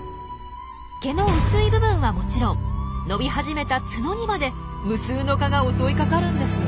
毛の薄い部分はもちろん伸び始めた角にまで無数の蚊が襲いかかるんですよ。